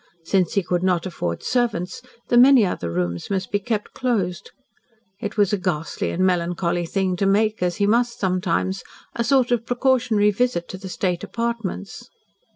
Since he could not afford servants, the many other rooms must be kept closed. It was a ghastly and melancholy thing to make, as he must sometimes, a sort of precautionary visit to the state apartments.